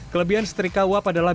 kelebihan setrika uap adalah